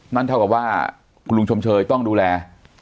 นั่นเท่ากับว่าคุณลุงชมเชยต้องดูแล